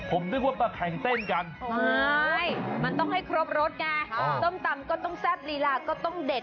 ผมนึกว่ามาแข่งเต้นกันมันต้องให้ครบรสไงส้มตำก็ต้องแซ่บลีลาก็ต้องเด็ด